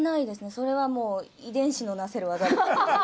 それはもう、遺伝子のなせる技。